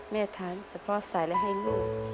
แม่ทันแต่พ่อใส่แล้วให้ลูก